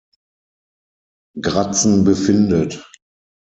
Gratzen befindet.